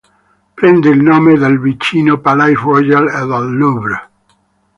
Prende il nome dal vicino Palais-Royal e dal Louvre.